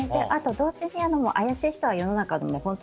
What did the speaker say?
同時に怪しい人は世の中の本当